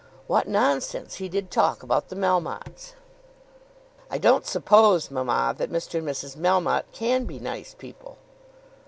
What nonsense he did talk about the Melmottes!" "I don't suppose, mamma, that Mr. and Mrs. Melmotte can be nice people."